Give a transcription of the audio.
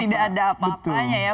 tidak ada apa apanya ya